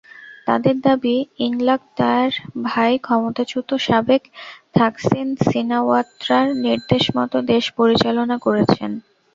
তাদের দাবি, ইংলাক তাঁর ভাই ক্ষমতাচ্যুত সাবেক থাকসিন সিনাওয়াত্রার নির্দেশমতো দেশ পরিচালনা করছেন।